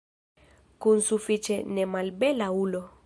Kun sufiĉe nemalbela ulo.